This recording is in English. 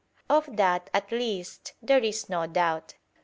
Of that, at least, there is no doubt.